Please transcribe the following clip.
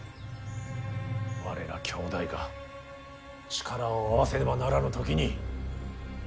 我ら兄弟が力を合わせねばならぬ時に。